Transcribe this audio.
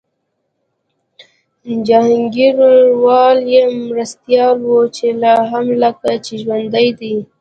جهانګیروال یې مرستیال و چي لا هم لکه چي ژوندی دی